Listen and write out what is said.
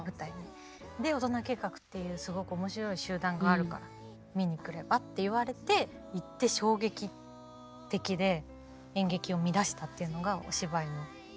「大人計画っていうすごく面白い集団があるから見に来れば？」って言われて行って衝撃的で演劇を見だしたっていうのがお芝居のきっかけで。